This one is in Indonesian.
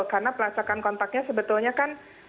karena pelacakan kontaknya sebetulnya kan